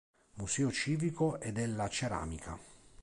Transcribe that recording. Museo civico e della ceramica